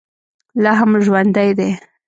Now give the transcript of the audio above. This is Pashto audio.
لا هم ژوندی دی.